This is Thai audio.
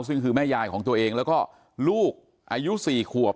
ซึ่งคือแม่ยายของตัวเองแล้วก็ลูกอายุ๔ขวบ